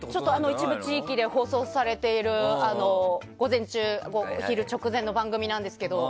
一部地域で放送されている午前中、お昼直前の番組ですが。